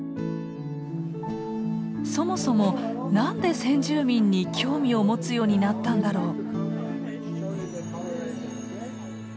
そもそも何で先住民に興味を持つようになったんだろう？